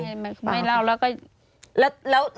แล้วพูดถึง๑คนที่ถูกจับไปตั้งแต่วันเกิดเหตุไหมคะ